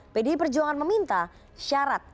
pdi perjuangan meminta syarat